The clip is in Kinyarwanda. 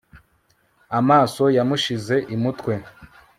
amaso yamushize imutwe